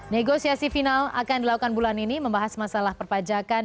negosiasi final akan dilakukan bulan ini membahas masalah perpajakan